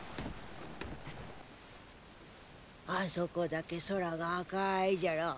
あそこだけ空が赤いじゃろ。